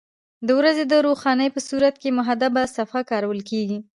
د ورځې د روښنایي په صورت کې محدبه صفحه کارول کیږي.